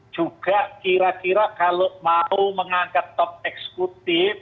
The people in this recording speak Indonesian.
juga kira kira kalau mau mengangkat top eksekutif